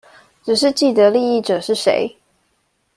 只是既得利益者是誰